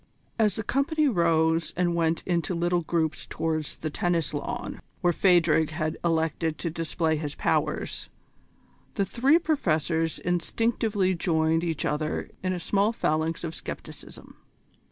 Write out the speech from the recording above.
As the company rose and went in little groups towards the tennis lawn, where Phadrig had elected to display his powers, the three Professors instinctively joined each other in a small phalanx of scepticism.